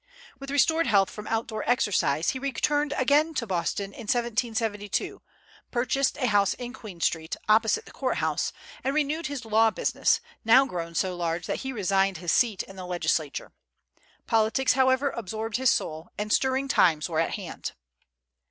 With restored health from out door exercise, he returned again to Boston in 1772, purchased a house in Queen Street, opposite the court house, and renewed his law business, now grown so large that he resigned his seat in the legislature. Politics, however, absorbed his soul, and stirring times were at hand.